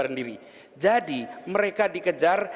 rendiri jadi mereka dikejar